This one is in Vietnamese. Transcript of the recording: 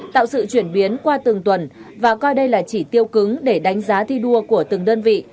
tạo sự chuyển biến qua từng tuần và coi đây là chỉ tiêu cứng để đánh giá thi đua của từng đơn vị